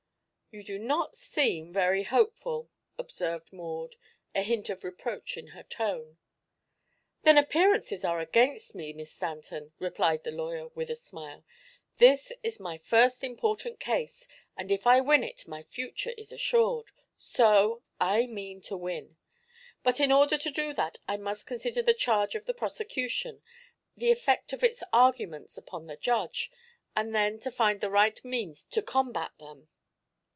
"You do not seem very hopeful," observed Maud, a hint of reproach in her tone. "Then appearances are against me, Miss Stanton," replied the lawyer with a smile. "This is my first important case, and if I win it my future is assured; so I mean to win. But in order to do that I must consider the charge of the prosecution, the effect of its arguments upon the judge, and then find the right means to combat them.